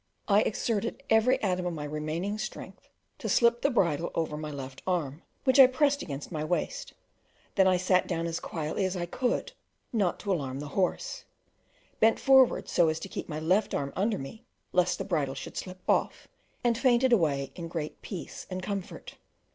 I exerted every atom of my remaining strength to slip the bridle over my left arm, which I pressed against my waist; then I sat down as quietly as I could, not to alarm the horse, bent forward so as to keep my left arm under me lest the bridle should slip off, and fainted away in great peace and comfort.